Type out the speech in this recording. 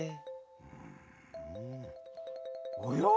うんおや？